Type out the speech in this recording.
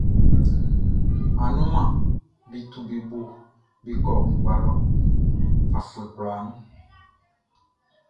Anunmanʼm be tu be bo be kɔ ngua lɔ afuɛ kwlaa nun.